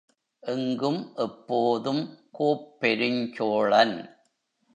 எங்கும் எப்போதும் கோப்பெருஞ்சோழன்!